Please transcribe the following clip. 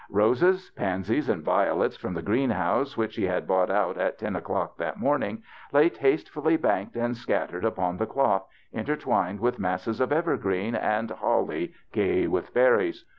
Roses, pansies, and violets from the greenhouse which he had bought out at ten o'clock that morning, lay tastefully banked and scattered upon the cloth, intertwined with masses of evergreen and holly gay with berries.